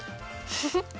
フフッ。